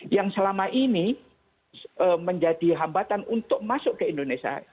yang selama ini menjadi hambatan untuk masuk ke indonesia